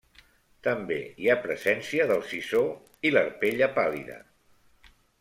També hi ha presència del sisó i l’arpella pàl·lida.